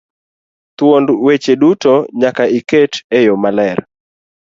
thuond weche duto nyaka iket eyo maler